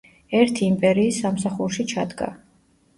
ერთი იმპერიის სამსახურში ჩადგა.